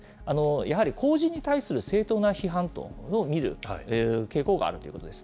やはり公人に対する正当な批判というのを見る傾向があるということです。